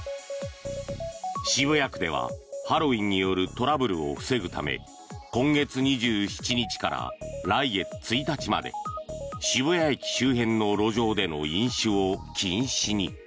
渋谷区ではハロウィーンによるトラブルを防ぐため今月２７日から来月１日まで渋谷駅周辺の路上での飲酒を禁止に。